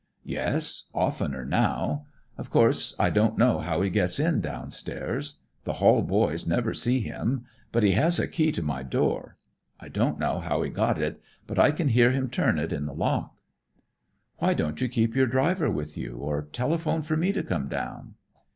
"Yes, oftener, now. Of course I don't know how he gets in down stairs. The hall boys never see him. But he has a key to my door. I don't know how he got it, but I can hear him turn it in the lock." "Why don't you keep your driver with you, or telephone for me to come down?"